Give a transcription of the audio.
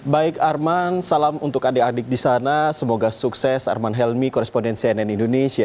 baik arman salam untuk adik adik di sana semoga sukses arman helmi koresponden cnn indonesia